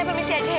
rp dua aja satunya